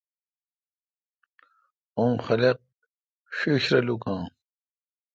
اوں خلق ݭݭ رل اوکاں